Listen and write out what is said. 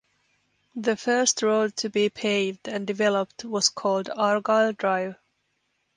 The first road to be paved and developed was called Argyle Drive.